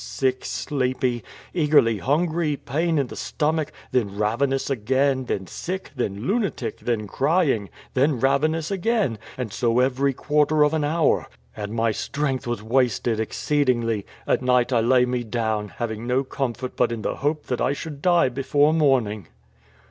sick, sleepy, eagerly hungry, pain in the stomach, then ravenous again, then sick, then lunatic, then crying, then ravenous again, and so every quarter of an hour, and my strength wasted exceedingly; at night I lay me down, having no comfort but in the hope that I should die before morning.